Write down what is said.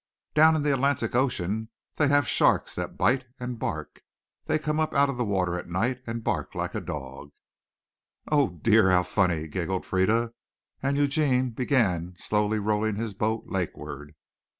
Down in the Atlantic Ocean they have sharks that bite and bark. They come up out of the water at night and bark like a dog." "O o oh, dear! how funny!" giggled Frieda, and Eugene began slowly rowing his boat lakeward.